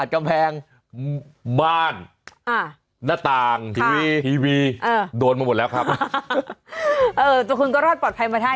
อัดกำแพงบ้านนาต่างทีวีโดนมาหมดแล้วครับเออทุกคนก็รอดปลอดภัยมาได้